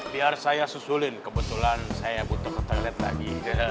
biar saya susulin kebetulan saya butuh ke toilet lagi